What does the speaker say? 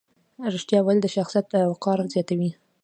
رښتیا ویل د شخصیت وقار زیاتوي.